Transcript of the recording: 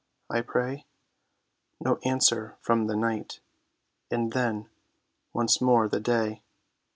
I pray, No answer from the night, And then once more the day.